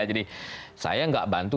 jadi saya nggak bantu